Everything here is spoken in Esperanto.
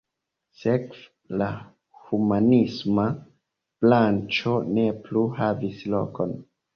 Sekve la humanisma branĉo ne plu havis lokon.